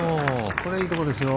これはいいところですよ。